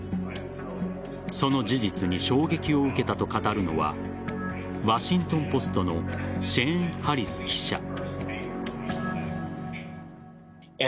その事実に衝撃を受けたと語るのはワシントン・ポストのシェーン・ハリス記者。